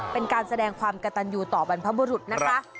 เป็นการแสดงความกระตันอยู่ต่อบรรพบุรุษนะคะ